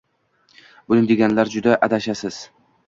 Buni deganlar juda adashasiz!